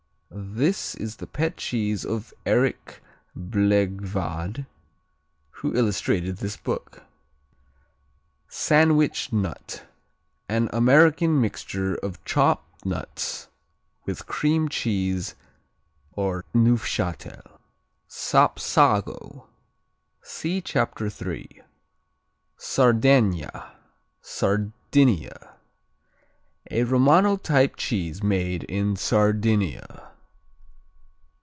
This is the pet cheese of Erik Blegvad who illustrated this book. Sandwich Nut An American mixture of chopped nuts with Cream cheese or Neufchâtel. Sapsago see Chapter 3. Sardegna Sardinia A Romano type made in Sardinia.